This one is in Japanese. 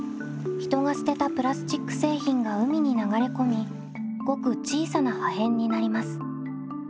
人が捨てたプラスチック製品が海に流れ込みごく小さな破片になります。